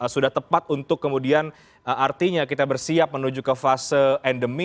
sudah tepat untuk kemudian artinya kita bersiap menuju ke fase endemi